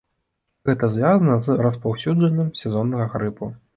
Гэта звязана з распаўсюджваннем сезоннага грыпу.